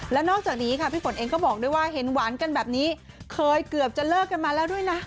แล้วนอกจากนี้ค่ะพี่ฝนเองก็บอกด้วยว่าเห็นหวานกันแบบนี้เคยเกือบจะเลิกกันมาแล้วด้วยนะ